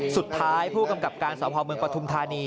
สุดท้ายผู้กำกับการสาวพาวเมืองปทุมธานี